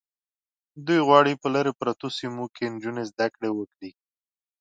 دوی غواړي په لرې پرتو سیمو کې نجونې زده کړې وکړي.